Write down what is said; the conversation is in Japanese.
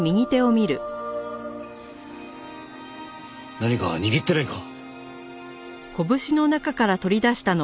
何か握ってないか？